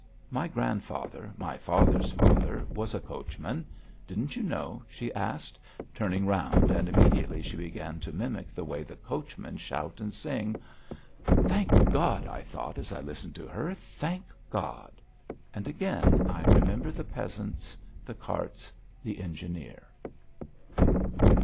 My grandfather, my father's father, was a coachman. Didn't you know?" she asked, turning round, and immediately she began to mimic the way the coachmen shout and sing. "Thank God!" I thought, as I listened to her. "Thank God!" And again I remember the peasants, the carts, the engineer....